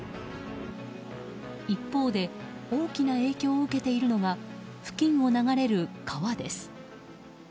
一方で大きな影響を受けているのが付近を流れる川です。